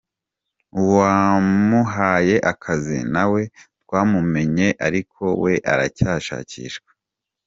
Uwamuhaye akazi nawe twamumenye, ariko we aracyashakishwa.